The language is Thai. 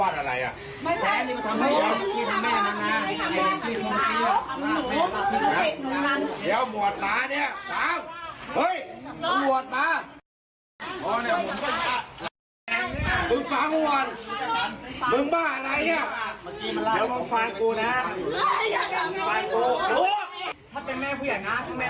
ถ้าเป็นแม่ผู้อยากน้าถ้าเป็นแม่ผู้อยากโดนเตะ